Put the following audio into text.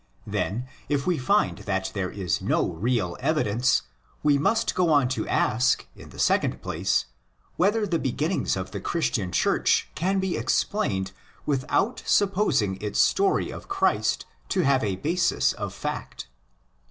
Then, if we find that there is no real evidence, we must go on to ask, in the second place, whether the beginnings of the Christian Church can be explained without supposing its story of Christ to have a basis of fact.